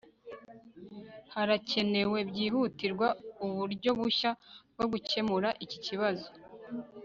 harakenewe byihutirwa uburyo bushya bwo gukemura iki kibazo